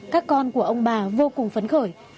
các con của ông bà vô cùng phấn khởi